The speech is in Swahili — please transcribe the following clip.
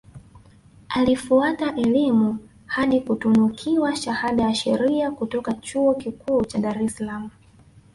Alifuata elimu hadi kutunukiwa shahada ya Sheria kutoka Chuo Kikuu cha Dar es Salaam